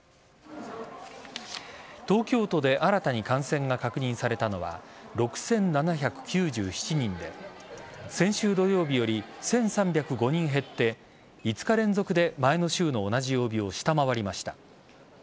東京都で新たに感染が確認されたのは６７９７人で先週土曜日より１３０５人減って５日連続で前の週の同じ曜日を下回りました。